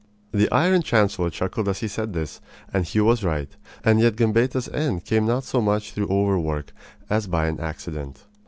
The Iron Chancellor chuckled as he said this, and he was right. And yet Gambetta's end came not so much through overwork as by an accident.